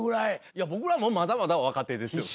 いや僕らもまだまだ若手ですよ。